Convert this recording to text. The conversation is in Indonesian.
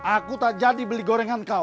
aku tak jadi beli gorengan kau